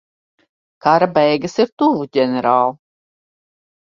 Kara beigas ir tuvu, ģenerāl.